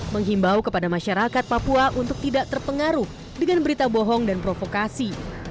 menghimbau kepada masyarakat papua untuk tidak terpengaruh dengan berita bohong dan provokasi